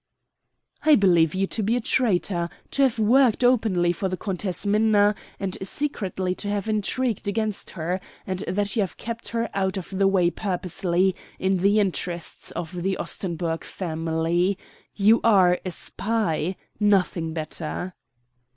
"I believe you to be a traitor; to have worked openly for the Countess Minna, and secretly to have intrigued against her; and that you have kept her out of the way purposely in the interests of the Ostenburg family. You are a spy; nothing better."